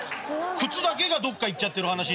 靴だけがどっか行っちゃってる話になってるから。